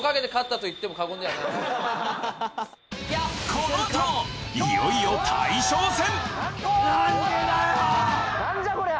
このあといよいよ大将戦なんでだよ！